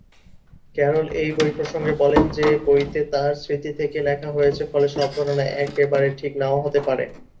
Carroll এই বই প্রসঙ্গে বলেন যে বইতে তার স্মৃতি থেকে লেখা হয়েছে, ফলে সব ঘটনা একেবারে ঠিক নাও হতে পারে।